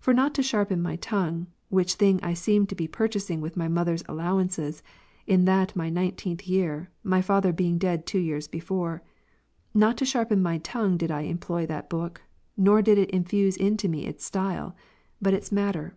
For not to sharpen my tongue, (which thing I seemed to be purchasing with my mother's allowances, in that my nineteenth year, my father being dead two years before,) not // to sharpen my tongue did I employ that book ; nor did it ''/ infuse into me its style, but its matter.